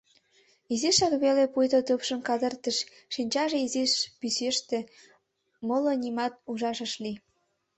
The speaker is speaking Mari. Изишак веле пуйто тупшым кадыртыш, шинчаже изиш пӱсеште, моло нимат ужаш ыш лий.